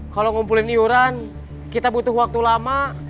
kalau ngumpulin iuran kita butuh waktu lama